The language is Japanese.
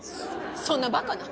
そそんなバカな。